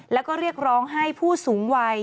แล้วก็เรียกร้องให้ผู้สูงวัย